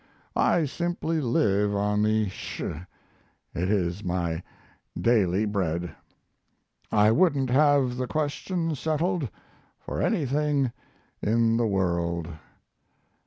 I simply live on the Sch.; it is my daily bread. I wouldn't have the question settled for anything in the world.